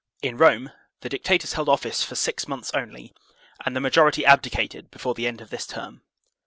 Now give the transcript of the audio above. In Rome the dictators held office for six months only, and the majority abdicated before the end of this term.